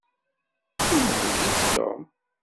Imerreg-itt Tom.